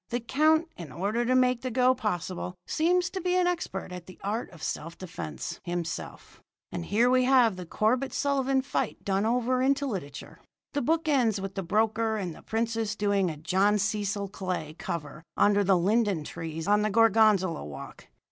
The count in order to make the go possible seems to be an expert at the art of self defence, himself; and here we have the Corbett Sullivan fight done over into literature. The book ends with the broker and the princess doing a John Cecil Clay cover under the linden trees on the Gorgonzola Walk.